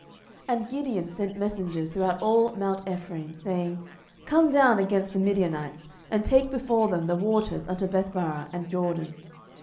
07:007:024 And Gideon sent messengers throughout all mount Ephraim, saying, come down against the Midianites, and take before them the waters unto Bethbarah and Jordan.